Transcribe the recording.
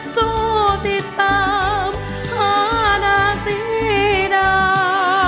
สู้ติดตามอาณาสีดา